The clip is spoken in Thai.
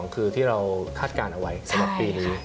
คือที่เราคาดการณ์เอาไว้สำหรับปีนี้